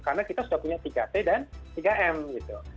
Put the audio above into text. karena kita sudah punya tiga t dan tiga m gitu